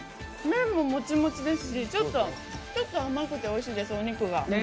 麺ももちもちですし、ちょっと甘くておいしいです、お肉が。